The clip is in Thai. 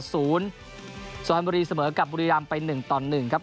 สุวรรณบุรีเสมอกับบุรีรำไป๑ต่อ๑ครับ